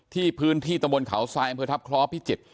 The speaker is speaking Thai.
ที่พื้นที่ตะวนเขาไซม์เพื่อทับคล้อพิจิตร